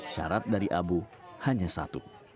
syarat dari abu hanya satu